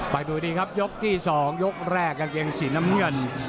ไปดูดีครับยกที่สองยกแรกกับเกงสีน้ำเนื่อง